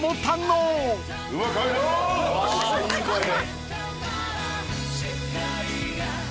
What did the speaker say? いい声で。